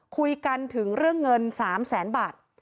คุยกันถึงเรื่องเงิน๓แสนบาท